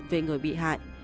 về người bị hại